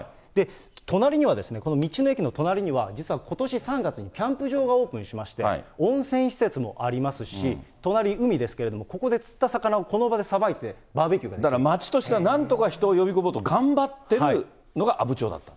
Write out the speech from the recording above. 隣には、道の駅の隣には、実はことし３月にキャンプ場がオープンしまして、温泉施設もありますし、隣、海ですけれども、ここで釣った魚をこの場でさばいてバだから町としてはなんとしても人を呼び込もうと頑張ってるのが阿武町だと。